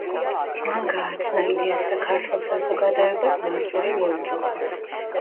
მან გააცნო ილიას და ქართველ საზოგადოებას მარჯორი უორდროპი.